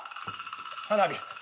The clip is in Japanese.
花火。